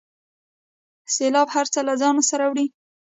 سیلاب هر څه له ځانه سره وړي.